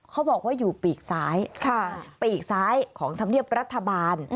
เขาบอกว่าอยู่ปีกซ้ายปีกซ้ายของธรรมเนียบรัฐบาล